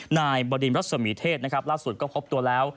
นายบดินรัศมีเทศนะครับล่าสุดก็พบตัวแล้ว